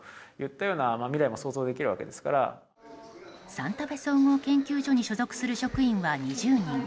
サンタフェ総合研究所に所属する職員は２０人。